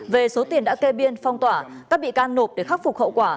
về số tiền đã kê biên phong tỏa các bị can nộp để khắc phục hậu quả